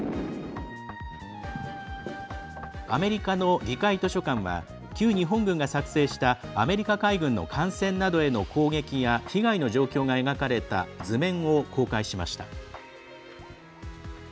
アメリカの議会図書館は旧日本軍が作成したアメリカ海軍の艦船などへの攻撃や被害の状況が描かれた図面を公開しました。